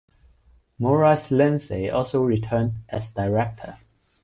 Maurice Lindsay also returned as director.